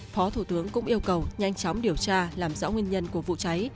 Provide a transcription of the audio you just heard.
phó thủ tướng cũng yêu cầu nhanh chóng điều tra làm rõ nguyên nhân của vụ cháy